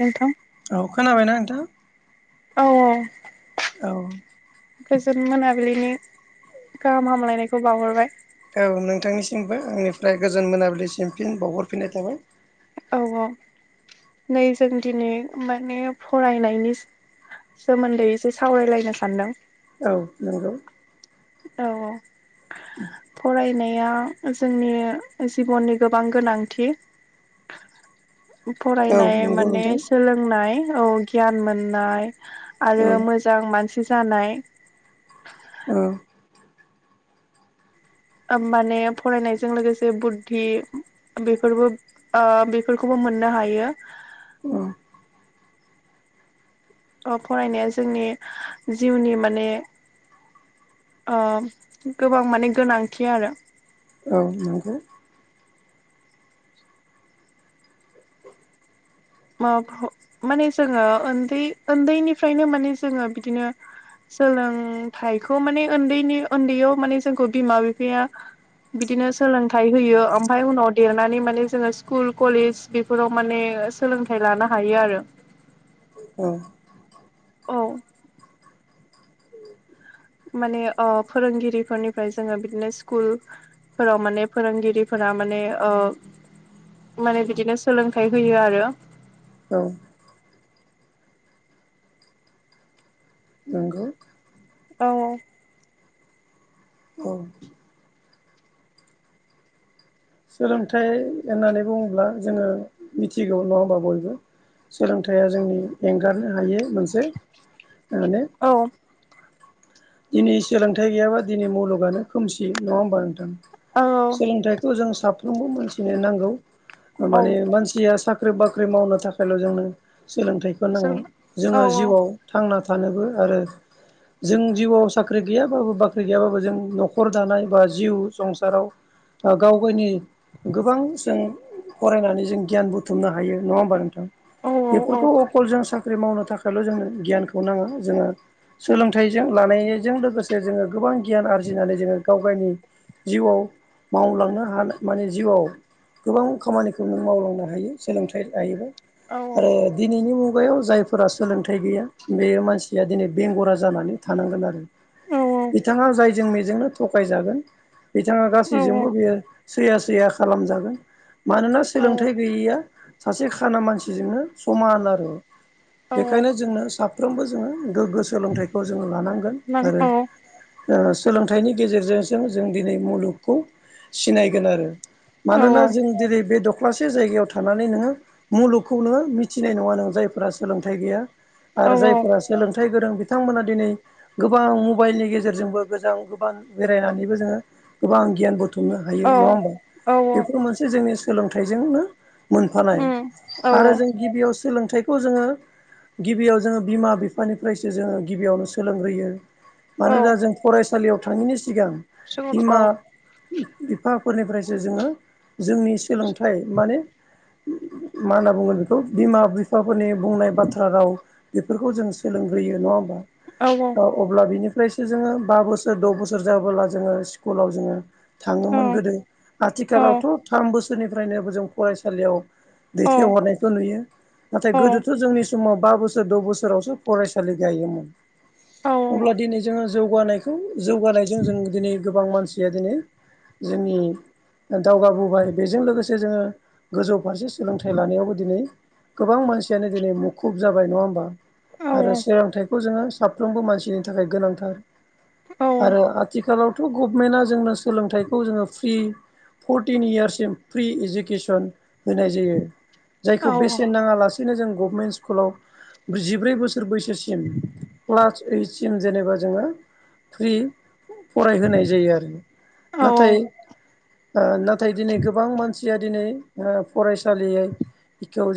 नोंथां औ खोनाबायना नोंथां औ औ औ गोजोन मोनाबिलिनि गाहाम हामलायनायखौ बावहरबाय। औ नोंथांनिसिमबो आंनिफ्राय गोजोन मोनाबिलिसिम फिन बावहरफिननाय थाबाय। औ औ नै जों दिनै माने फरायनायनि सोमोन्दै एसे सावरायलायनो सानदों औ नंगौ औ औ फरायनाय जोंनि जिबननि गोबां गोनांथि औ फरायनाय नंगौ माने नोंथां सोलोंनाय औ गियान मोननाय आरो औ मोजां मानसि जानाय ओ ओ माने फरायनायजों लोगोसे बुद्धि बेफोरबो ओ बेफोरखौबो मोननो हायो। औ अ फरायनाया जोंनि जिउनि माने अ गोबां माने गोनांथि आरो। औ नंगौ माबा माने जोङो उन्दै उन्दैनिफ्रायनो माने जोङो बिदिनो सोलोंथाइखौ माने उन्दैनि उन्दैयाव माने जोंखौ बिमा बिफाया बिदिनो सोलोंथाइ होयो ओमफ्राय उनाव देरनानै माने जोङो स्कुल कलेज बेफोराव माने सोलोंथाइ लानो हायो आरो औ औ माने फोरोंगिरिफोरनिफ्राय जोङो बिदिनो स्कुल फोराव माने फोरोंगिरिफोरा माने माने बिदिनो सोलोंथाइ होयो आरो औ नोंगौ औ औ औ सोलोंथाइ होननानै बुङोब्ला जोङो मिथिगौ नङा होमबा बयबो सोलोंथाइया जोंनि एंगारनो हायै मोनसे माने औ दिनै सोलोंथाइ गैयाबा दिनै मुलुगानो खोमसि नङा होमबा नोंथां औ सोलोंथाइखौ जों साफ्रोमबो मानसिनो नांगौ औ माने मानसिया साख्रि ख्रि बाख्रि मावनो थाखायल' जोंनो सोलोंथाइखौ बिसोर नाङा औ जोङो जिउआव थांना थानोबो आरो जों जिउआव साख्रि गैयाबाबो बाख्रि गैयाबाबो जों न'खर दानाय बा जिउ संसाराव गाव गावनि गोबां जों फरायनानै जों गियान बुथुमनो हायो नङा होमबा नोंथां औ औ बेफोरखौ अकल जों साख्रि मावनो थाखायल जोंनो गियानखौ नाङा जोङो सोलोंथाइ जों लानायजों लोगोसे जोङो गोबां गियान आरजिनानै जोङो गाव गावनि जिउआव मावलांनो हानाय माने जिउआव गोबां खामानिखौ नों मावलांनो हायो सोलोंथाइ लायोबा आरो औ दिनैनि मुगायाव जायफोरा सोलोंथाइ गैया बे मानसिया दिनै बेंगुरा जानानै थानांगोन आरो औ बिथाङा जायजों मेजोंनो थगायजागोन बिथाङा औ गासैजोंबो बियो सैया सैया खालामजागोन मानोना औ सोलोंथाइ गैयैया सासे खाना मानसिजोंनो समान आरो नों औ बेखायनो जोंनो साफ्रोमबो जोङो गोग्गो सोलोंथाइखौ जोङो लानांगोन नां औ आरो सोलोंथाइनि गेजेरजोंसो जों दिनै मुलुगखौ सिनायगोन आरो औ मानोना जों दिनै बे दख लासे जायगायाव थानानै नोङो मुलुगखौ नोङो मिथिनाय नङा नों जायफोरा सोलोंथाइ गैया औ आरो जायफोरा सोलोंथाइ गोरों बिथांमोना दिनै गोबां मबाइलनि गेजेरजोंबो गोजां गोबां बेरायनानैबो जोङो गोबां गियान बुथुमनो हायो औ नङा होमबा औ बेफोर मोनसे जोंनि सोलोंथाइजोंनो मोनफानाय उम औ आरो जों गिबियाव सोलोंथाइखौ जोङो गिबियाव जोङो बिमा बिफानिफ्रायसो जोङो गिबियावनो सोलोंग्रोयो औ मानोना जों फरायसालियाव थाङैनि सिगां सोर औ बिमा बिफाफोरनिफ्रायसो जोङो जोंनि सोलोंथाइ माने मा होनना बुगो बेखौ बिमा बिफाफोरनि बुंनाय बाथ्रा राव बेफोरखौ जों सोलोंग्रोयो नङा होमबा औ अब्ला बिनिफ्रायसो जोङो बा बोसोर द बोसोर जाबोला जोङो स्कुलाव जोङो औ थाङोमोन औ गोदो औ आथिखालावथ थाम बोसोरनिफ्रायनोबो जों फरायसालियाव औ दैथायहरनायखौ नुयो नाथाय औ औ गोदोथ जोंनि समाव बा बोसोर जे द बोसोरावसो फरायसालि गायोमोन अब्ला दिनै जोङो जौगानायखौ जौगानायजों जों दिनै गोबां मानसिया दिनै जोंनि दावगाबोबाय बेजों लोगोसे जोङो गोजौ फारसे सोलोंथाइ लानायावबो दिनै गोबां मानसियानो दिनै मुखुब जाबाय नङा होमबा आरो सोलोंथाइखौ जोङो साफ्रोमबो मानसिनि थाखाय गोनांथार औ आरो आथिखालावथगभमेन्टआ जोंनो सोलोंथाइखौ जोङो फ्रि फरटिन इयार्ससिम फ्रि इडुकेसन होनाय जायो जायखौ बेसेन नाङालासे बबगदिनो जों गभमेन्ट स्कुलाव जिब्रै बोसोर बैसोसिम क्लास ओइटसिम जेनेबा जोङो फ्रि फरायहोनाय जायो आरो नाथाय नाथाय दिनै गोबां मानसि या दिनै फरायसालियाव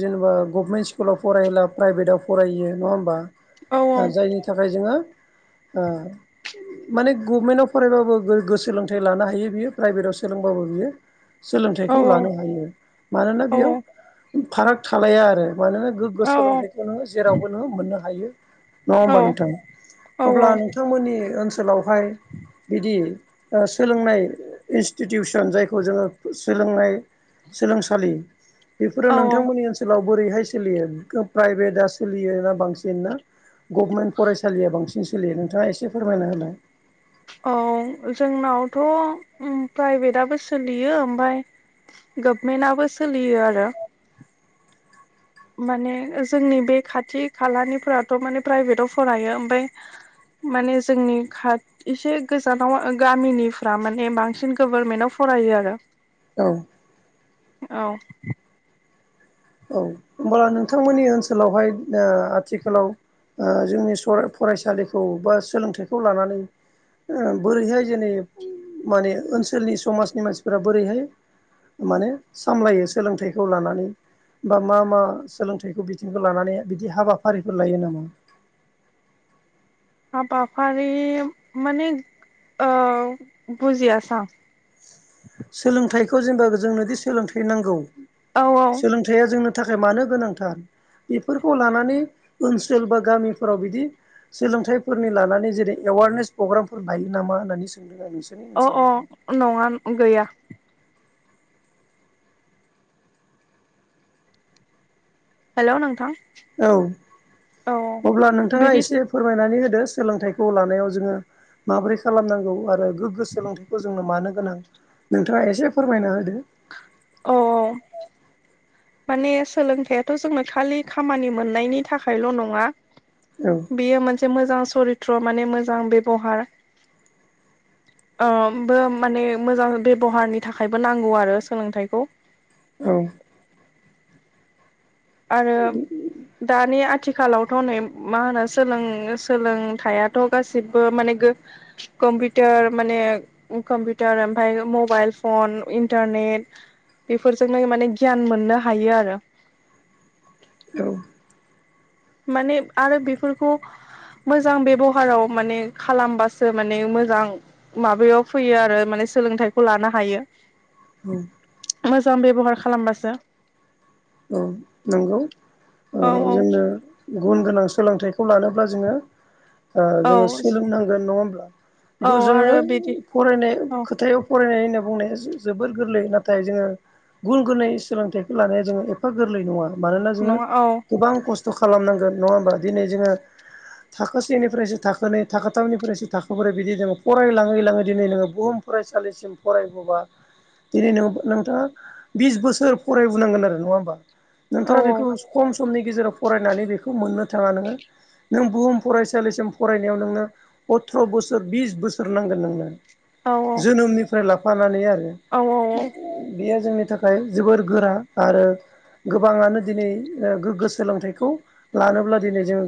जेनेबा गभमेन्ट स्कुलाव फरायब्ला प्राइभेटाव फरायो नङा होनबा जायनि थाखाय जोङो ओ माने गभमेन्टआव फरायबाबो गोगो सोलोंथाइ लानो हायो बियो प्राइभेटाव सोलोंबाबो बियो सोलोंथाइखौ लानो हायो मानोना बेयाव फाराग थालाया आरो मानोना गोग्गो औ सोलोंथाइखौ नों जेरावबोन नों मोननो हायो नङा होमबा नोंथां अब्ला नोंथांमोननि ओनसोलावहाय बिदि ओ सोलोंनाय इनसटिटिउसन जायखौ जोङो सोलोंनाय सोलोंसालि बेफोरो नोंथांमोननि ओनसोलाव बोरैहाय सोलियो प्राइभेटआ सोलियोना बांसिन ना गभमेन्ट फरायसालिया बांसिन सोलियो नोंथाङा एसे फोरमायना होनाय औ जोंनावथ प्राइभेटआबो सोलियो ओमफ्राय गभमेन्टाबो सोलियो आरो माने जोंनि बे खाथि खालानिफोराथ' माने प्राइभेटाव फरायो ओमफ्राय। माने जोंनि खा एसे गोजानाव गामिनिफ्रा माने बांसिन गभारनमेन्टाव फरायो आरो औ। औ। औ होमबब्ला नोंथांमोननि ओनसोलावहाय आथिखालाव। जोंनि फरायसालिखौ बा सोलोंथाइखौ लानानै बोरैहाय जेननि माने ओनसोलनि समाजनि मानसिफोरा बोरैहाय माने सामलायो सोलोंथाइखौ लानानै। बा मा मा सोलोंथाइखौ बिथिंखौ लानानै बिदि हाबाफारिफोर लायो नामा? हाबफारि माने आ बुजियासां सोलोंथाइखौ जेनेबा जोंनो दि सोलोंथाइ नांगौ औ औ थाया जोंनि थाखाय मानो गोनांथार बेफोरखौ लानानै ओनसोल बा गामिफोराव बिदि सोलोंथाइफोरनि लानानै जेरै एवारनेस प्रग्रामफोर लायो नामा होननानै सोंदों आं नोंसोर अ अ नङा गैया हेलौ नोंथां औ औ अब्ला नोंथाङा बिदि एसे फोरमायनानै होदो सोलोंथाइखौ लानायाव जोङो माबोरै खालामनांगौ आरो गोग्गो सोलोंथाइखौ जोंनो मानो गोनां नोंथाङा एसे फोरमायना होदो अ माने सोलोंथाइाथ' जोंनो खालि खामानि मोननायनि थाखायल' नङा औ बेयो मोनसे मोजां सरित्र माने मोजां बेब'हार ब माने मोजां बेबहारनि थाखायबो नांगौ आरो सोलोंथाइखौ। औ। आरो दानि आथिखालावथ' नै मा होनो सोलों सोलोंथाइाथ' गासिबो माने कम्पिउटार माने कम्पिउटार ओमफफ्राय मबाइल फन इन्टारनेट बेफोरजोंनो माने गियान मोननो हायो आरो औ माने आरो बेफोरखौ मोजां बेब'हाराव माने खालामबासो माने मोजां माबायाव फैयो आरो माने सोलोंथाइखौ लानो हायो [unintelligible] मोजां बेब'हार खालामबासो नंगौ औ औ जोंनो गुन गोनां सोलोंथाइखौ लानोब्ला जोङो जोङो औ सोलोंनांगोन नङा होमब्ला औ बे जोङो आरो बिदि फरायनाय औ खोथायाव फरायनाय होनना बुंनाया जोबोर गोरलै नाथाय जोङो गुन गोनै सोलोंथाइखौ लानाया जोङो एफा गोरलै नङा मानोना जोङो नङा औ गोबां खस्थ' खालामनांगोन नङा होमबा दिनै जोङो थाखोसेनिफ्रायसो थाखोनै थाख थामनिफ्रायसो थाखोबोरै बिदि जोङो फरायलाङै लाङै दिनै नोङो बुहुम फरायसालिसिम फरायबोब्ला दिनै न नोंथाङा बिस बोसोर फरायबोनांगोन आरो नङा होमबा औ नोंथाङा बेखौ खम समनि गेजेराव फरायनानै बेखौ मोननो थाङा नोङो नों बुहुम फरायसालिसिम फरायनायाव नोंनो अथ्र' बोसोर बिस बोसोर नांगोन नोंनो औ जोनोमनिफ्राय लाफानानै आरो औ बेयो जोंनि थाखाय ओमफ्राय जोबोर गोरा आरो गोबाङानो दिनै गोग्गो सोलोंथाइखौ लानोब्ला दिनै जों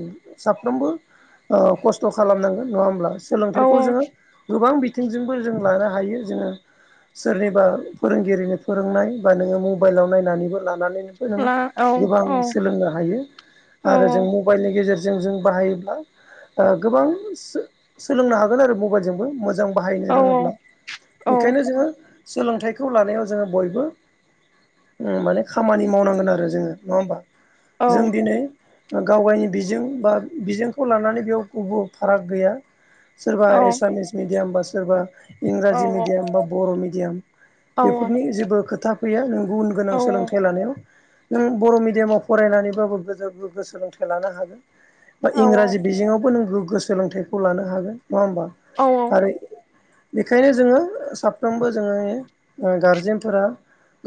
साफ्रोमबो खस्थ' खालामनांगोन नङा होमब्ला औ सोलोंथाइखौ जोङो गोबां बिथिंजोंबो जों लानो हायो जोङो सोरनिबा फोरोंगिरिनि फोरोंनाय बा नोङो मबाइलाव नायनानैबो लानानै नों ला औ गोबां औ सोलोंनो हायो औ आरो जों मबाइलनि गेजेरजों जों बाहायोब्ला गोबां सोलोंनो हागोन आरो मबाइलजोंबो मोजां बाहायनो औ रोङोब्ला औ बेखायनो जोङो सोलोंथाइखौ लानायाव जोङो बयबो माने खामानि मावनांगौ आरो जोङो नङा होमबा जों दिनै गावयनि बिजों बा बिजोंखौ लानानै बेयाव जेबो फाराग गैया सोरबा एसामिस मिडियाम बा सोरबा इंराजि मिडियाम बा बर' मिडियाम बेफोरनि जेबो खोथा फैया नों गुन गोनां औ सोलोंथाइ लानायाव नों बर' मिडियामाव फरायनानैबाबो मोजां गोग्गो सोलोंथाइ लानो हागोन बा औ इंराजि बिजोङावबो नों गोग्गो सोलोंथाइखौ लानो हागोन नङा होमबा औ आरो बेखायनो जोङो साफ्रोमबो जोङो गारजेनफोरा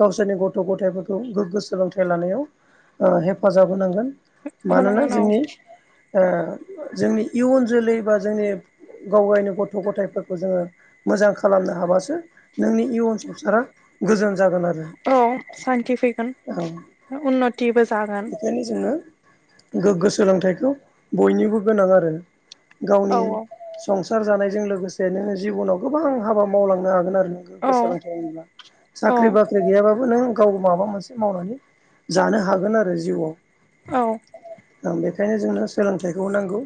गावसोरनि गथ' गथायफोरखौ गोग्गो सोलोंथाइ लानायाव हेफाजाब होनांगोन मानोना होनांगोन औ जोंनि जोंनि इयुन जोलै बा जोंनि गावयनि गथ' गथायफोरखौ जोङो मोजां खालामनो हाबासो नोंनि इयुन संसारा गोजोन जागोन आरो औ सान्खि फैगोन औ उन्नतिबो जागोन बेखायनो जोङो गोग्गो सोलोंथाइखौ बयनिबो गोनां आरो गावनि औ संसार जानायजों लोगोसे नोङो जिबनाव गोबां हाबा मावलांनो हागोन आरो औ गोग्गो सोलोंथाय [unintelligible] साख्रि औ बाख्रि गैयाब्लाबो नों गाव माबा मोनसे मावनानै जानो हागोन आरो जिउआव औ बेखायनो जोंनो सोलोंथाइखौ नांगौ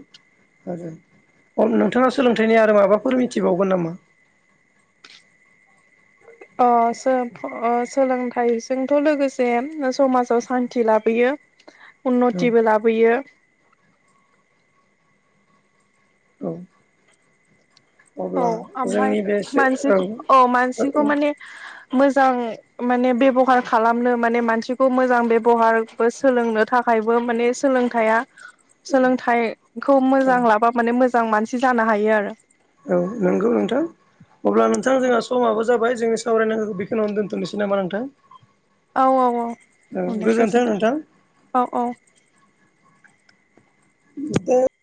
नोंथाङा सोलोंथाइनि आरो माबाफोर मिथिबावगोन नामा अ सोलोंथाइजोंथ' लोगोसे समाजाव सान्थि लाबोयो औ उन्नतिबो लाबोयो औ औ अब्ला ओमफ्राय जोंनि बे मानसिखौ औ मानसिखौ माने मोजां माने बेबहार खालामनो माने मानसिखौ मोजां बेबहारबो सोलोंनो थाखाय थाखायबो माने सोलोंथाइया सोलोंथाइखौ मोजां लाबा माने मोजां मानसि जानो हायो आरो औ नंगौ नोंथां अब्ला नोंथां जोंहा समाबो जाबाय जोंनि सावरायनांगौखौ बेखिनियावनो दोनथ'नोसै नामा नोंथां औ औ औ औ अ दे गोजोन्थों नोंथां गोजोनथाव औ औ [inaudible]